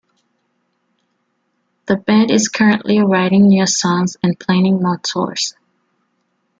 The band is currently writing new songs and planning more tours.